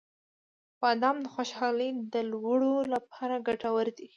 • بادام د خوشحالۍ د لوړولو لپاره ګټور دی.